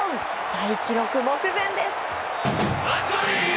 大記録目前です。